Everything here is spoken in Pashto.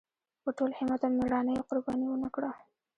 په ټول همت او مېړانۍ یې قرباني ونکړه.